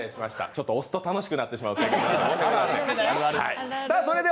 ちょっと押すと楽しくなってしまう性格なので。